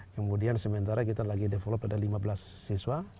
kemudian sementara kita lagi develop ada lima belas siswa